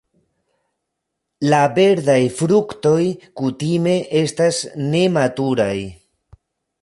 La verdaj fruktoj kutime estas nematuraj.